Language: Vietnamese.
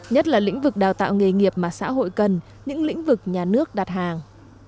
nhất là lĩnh vực đào tạo nghề nghiệp mà xã hội cần những lĩnh vực nhà nước đặt hàng